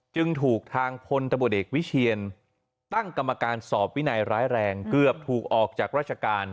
จึงถูกทางพลตำรวจเอกวิเชียนตั้งกรรมการสอบวินัยร้ายแรงเกือบถูกออกจากราชการ